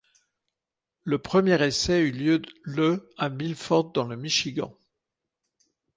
Le premier essai eut lieu le à Milford dans le Michigan.